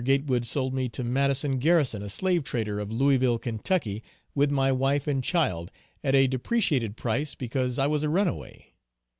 Gatewood sold me to Madison Garrison, a slave trader, of Louisville, Kentucky, with my wife and child at a depreciated price because I was a runaway.